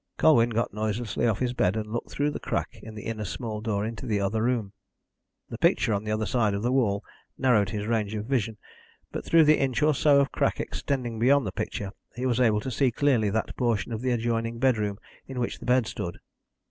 Colwyn got noiselessly off his bed and looked through the crack in the inner small door into the other room. The picture on the other side of the wall narrowed his range of vision, but through the inch or so of crack extending beyond the picture he was able to see clearly that portion of the adjoining bedroom in which the bed stood.